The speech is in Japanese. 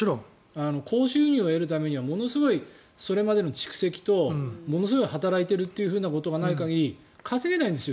高収入を得るためにはものすごいそれまでの蓄積とものすごい働いているということがない限り稼げないんです。